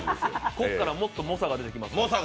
ここからもっと猛者が出てきます。